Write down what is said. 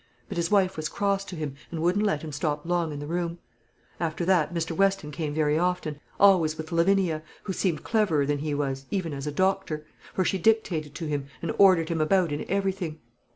but his wife was cross to him, and wouldn't let him stop long in the room. After that, Mr. Weston came very often, always with Lavinia, who seemed cleverer than he was, even as a doctor; for she dictated to him, and ordered him about in everything.